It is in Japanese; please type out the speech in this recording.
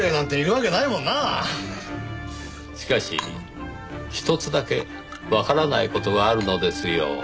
しかし一つだけわからない事があるのですよ。